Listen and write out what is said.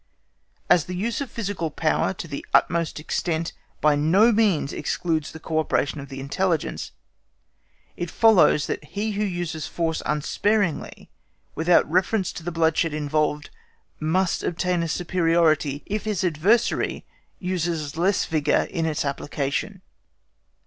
As the use of physical power to the utmost extent by no means excludes the co operation of the intelligence, it follows that he who uses force unsparingly, without reference to the bloodshed involved, must obtain a superiority if his adversary uses less vigour in its application.